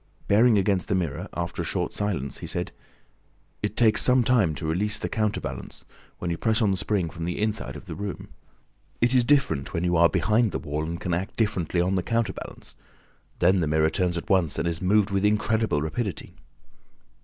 Bearing against the mirror, after a short silence, he said: "It takes some time to release the counterbalance, when you press on the spring from the inside of the room. It is different when you are behind the wall and can act directly on the counterbalance. Then the mirror turns at once and is moved with incredible rapidity."